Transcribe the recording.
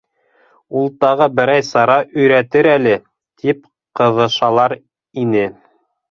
Ул тағы берәй сара өйрәтер әле, — тип ҡыҙышалар ине.